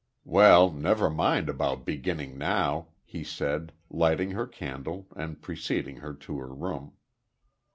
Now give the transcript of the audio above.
"Well, never mind about beginning now," he said, lighting her candle and preceding her to her room.